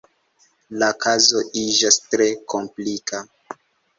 La kazo iĝas tre komplika.